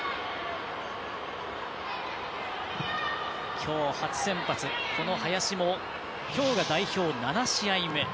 きょう初先発、この林もきょうが代表７試合目。